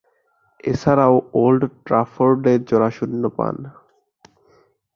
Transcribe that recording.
এছাড়াও, ওল্ড ট্রাফোর্ডে জোড়া শূন্য পান।